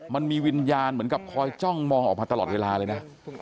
มันมีวิญญาณเหมือนกับคอยจ้องมองออกมาตลอดเวลาเลยนะ